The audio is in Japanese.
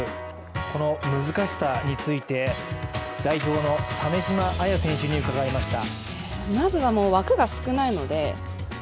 この難しさについて、代表の鮫島彩選手に伺いました。